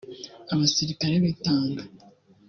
abasirikare bitanga